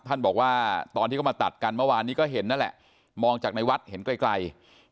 ท่านบอกว่าตอนที่เขามาตัดกันเมื่อวานนี้ก็เห็นนั่นแหละมองจากในวัดเห็นไกล